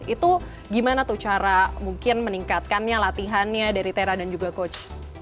itu gimana tuh cara mungkin meningkatkannya latihannya dari tera dan juga coach